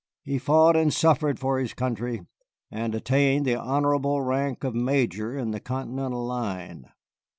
He fought and suffered for his country, and attained the honorable rank of Major in the Continental line.